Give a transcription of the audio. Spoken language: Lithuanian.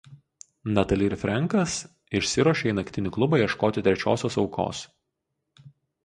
Natali ir Frenkas išsiruošia į naktinį klubą ieškoti trečiosios aukos...